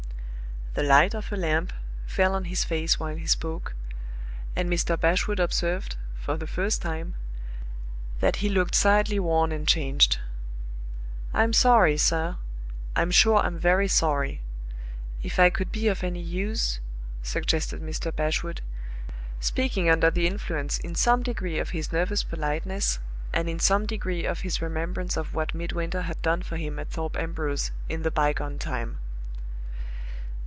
The light of a lamp fell on his face while he spoke, and Mr. Bashwood observed, for the first time, that he looked sadly worn and changed. "I'm sorry, sir I'm sure I'm very sorry. If I could be of any use " suggested Mr. Bashwood, speaking under the influence in some degree of his nervous politeness, and in some degree of his remembrance of what Midwinter had done for him at Thorpe Ambrose in the by gone time.